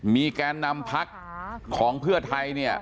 มีแกนนำพักของเพื่อไทยเนี่ย